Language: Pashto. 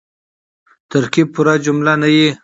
ترکیب پوره جمله نه يي.